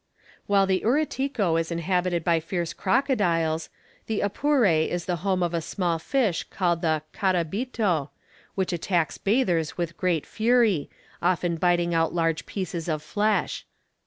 While the Uriticu is inhabited by fierce crocodiles, the Apure is the home of a small fish called the "carabito," which attacks bathers with great fury, often biting out large pieces of flesh.